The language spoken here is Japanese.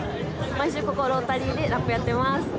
毎週ここロータリーでラップやってます。